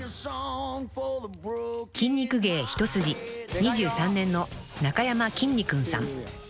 ［筋肉芸一筋２３年のなかやまきんに君さん］